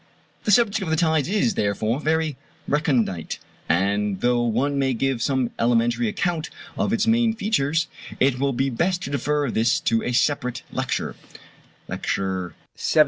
The subject of the tides is, therefore, very recondite; and though one may give some elementary account of its main features, it will be best to defer this to a separate lecture (Lecture XVII).